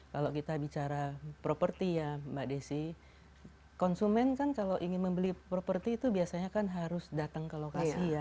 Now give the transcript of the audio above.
kalau kita bicara properti ya mbak desi konsumen kan kalau ingin membeli properti itu biasanya kan harus datang ke lokasi ya